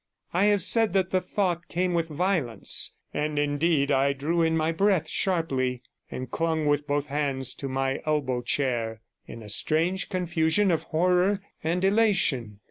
I have said 74 that the thought came with violence; and indeed I drew in my breath sharply, and clung with both hands to my elbow chair, in a strange confusion of horror and elation.